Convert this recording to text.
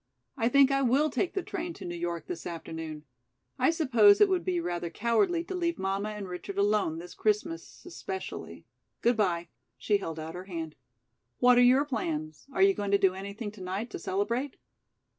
"I think I will take the train to New York this afternoon. I suppose it would be rather cowardly to leave mamma and Richard alone, this Christmas, especially. Good by." She held out her hand. "What are your plans? Are you going to do anything tonight to celebrate?"